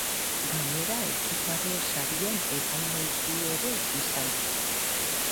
Gainera, Etxepare Sarien epaimahaikide ere izan da.